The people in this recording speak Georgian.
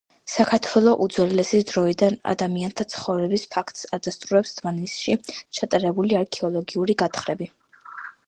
საქართველო უძველესი დროიდან ადამიანთა ცხოვრების ფაქტს ადასტურებს დმანისში ჩატარებული არქეოლოგიური გათხრები